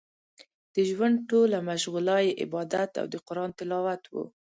د ژوند ټوله مشغولا يې عبادت او د قران تلاوت و.